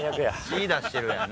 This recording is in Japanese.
血出してるやん。